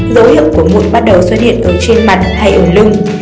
dấu hiệu của mụn bắt đầu xuất hiện ở trên mặt hay ở lưng